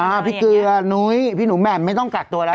พี่เกลือนุ้ยพี่หนูแหม่มไม่ต้องกักตัวแล้ว